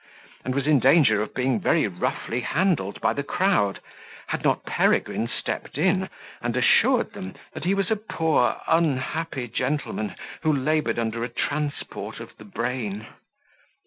and was in danger of being very roughly handled by the crowd, had not Peregrine stepped in, and assured them, that he was a poor unhappy gentleman, who laboured under a transport of the brain.